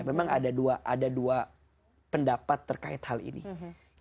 memang ada dua pendapat terkait hal ini